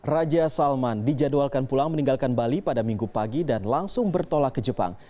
raja salman dijadwalkan pulang meninggalkan bali pada minggu pagi dan langsung bertolak ke jepang